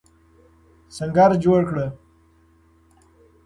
سنګر جوړ کړه.